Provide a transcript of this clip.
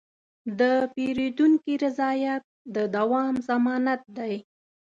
د پیرودونکي رضایت د دوام ضمانت دی.